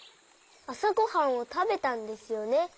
あさごはんをたべたんですよね。